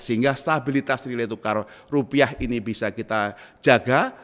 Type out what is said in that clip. sehingga stabilitas nilai tukar rupiah ini bisa kita jaga